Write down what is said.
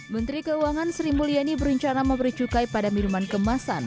menteri keuangan sri mulyani berencana memberi cukai pada minuman kemasan